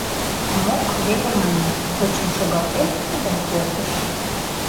Мок веле мане, почым шогалтен, кудал колтыш.